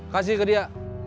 kasih ke dia